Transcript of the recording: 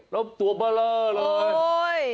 รบตัวเบลอเลย